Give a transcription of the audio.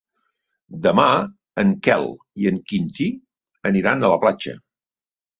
Demà en Quel i en Quintí aniran a la platja.